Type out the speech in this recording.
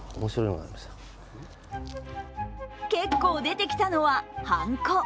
結構出てきたのは、はんこ。